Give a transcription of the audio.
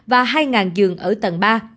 và hai dường ở tầng ba